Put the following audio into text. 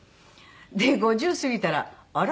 で５０過ぎたらあら？